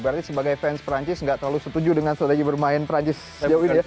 berarti sebagai fans perancis nggak terlalu setuju dengan strategi bermain perancis sejauh ini ya